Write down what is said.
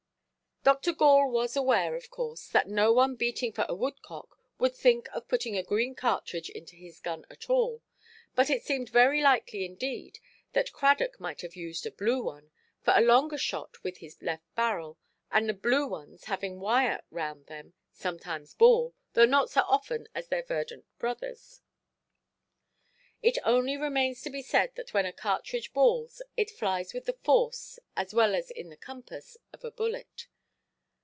Dr. Gall was aware, of course, that no one beating for a woodcock would think of putting a green cartridge into his gun at all; but it seemed very likely indeed that Cradock might have used a blue one, for a longer shot with his left barrel; and the blue ones, having wire round them, sometimes ball, though not so often as their verdant brothers. It only remains to be said that when a cartridge balls, it flies with the force, as well as in the compass, of a bullet.